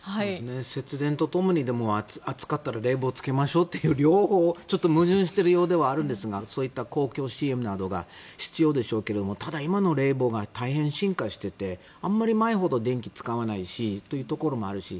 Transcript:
節電とともに暑かったら冷房をつけましょうっていう両方を、矛盾しているようではあるんですがそういう公共ＣＭなどが必要でしょうけどもただ、今の冷房が大変進化していてあまり前ほど電気を使わないしというところもあるし。